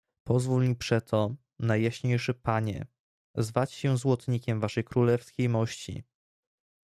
"Pozwól mi przeto, Najjaśniejszy Panie, zwać się złotnikiem Waszej królewskiej mości."